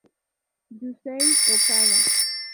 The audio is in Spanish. Yusei Okada